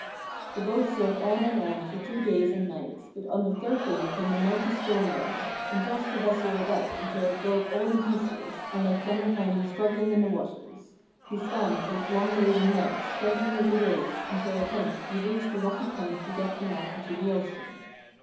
The boat sailed on and on for two days and nights, but on the third day came a mighty storm wind, and tossed the vessel about until it broke all in pieces, and left Lemminkainen struggling in the waters. He swam for long days and nights, struggling with the waves, until at length he reached a rocky point projecting out into the ocean.